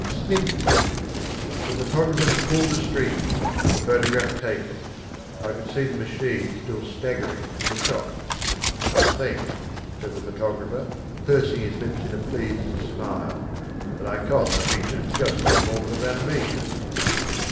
Snick! The photographer had pulled a string. The photograph taken. I could see the machine still staggering from the shock. "I think," said the photographer, pursing his lips in a pleased smile, "that I caught the features just in a moment of animation."